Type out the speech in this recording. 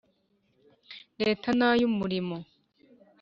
Leta n ay umurimo